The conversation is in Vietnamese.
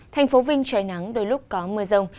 thành phố vinh trời nắng đôi lúc có mưa rông